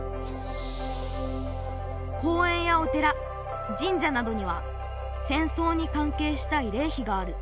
公園やお寺神社などには戦争にかんけいしたいれいひがある。